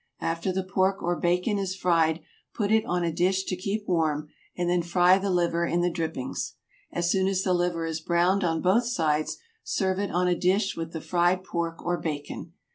After the pork or bacon is fried put it on a dish to keep warm, and then fry the liver in the drippings. As soon as the liver is browned on both sides serve it on a dish with the fried pork or bacon.